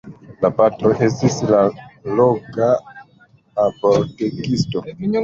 La patro estis la loka apotekisto.